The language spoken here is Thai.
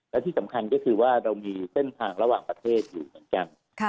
และที่สำคัญก็คือว่าเรามีเส้นทางระหว่างประเทศอยู่เหมือนกัน